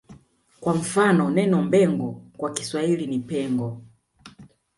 Kwa mfano neno Mbengo kwa Kiswahili ni Pengo